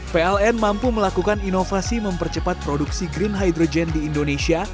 pln mampu melakukan inovasi mempercepat produksi green hydrogen di indonesia